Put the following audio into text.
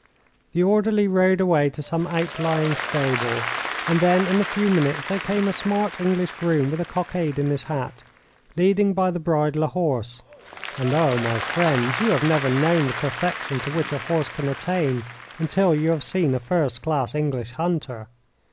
The orderly rode away to some outlying stable, and then in a few minutes there came a smart English groom with a cockade in his hat, leading by the bridle a horse and, oh, my friends, you have never known the perfection to which a horse can attain until you have seen a first class English hunter.